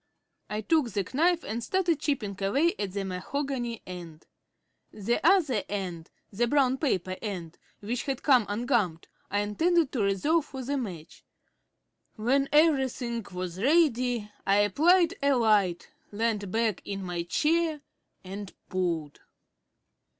I took the knife and started chipping away at the mahogany end. The other end the brown paper end, which had come ungummed I intended to reserve for the match. When everything was ready I applied a light, leant back in my chair, and pulled.